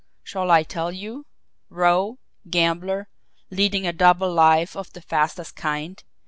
Shall I tell you? Roue, gambler, leading a double life of the fastest kind.